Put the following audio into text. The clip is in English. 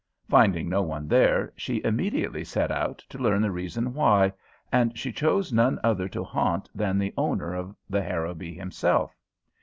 Finding no one there, she immediately set out to learn the reason why, and she chose none other to haunt than the owner of the Harrowby himself.